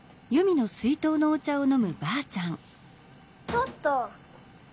ちょっと！